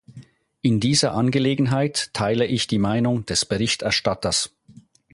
In dieser Angelegenheit teile ich die Meinung des Berichterstatters.